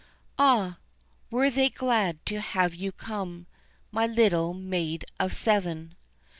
Ah! were they glad to have you come, My little maid of seven?